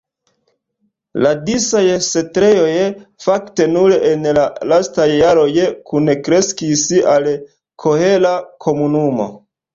La disaj setlejoj fakte nur en la lastaj jaroj kunkreskis al kohera komunumo.